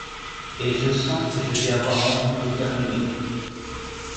et je sens que je vais avoir envie d’éternuer…